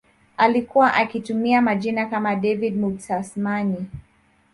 Alikuwa akitumia majina kama David Mutsamanyi